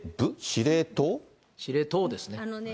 司令塔司令塔ですね。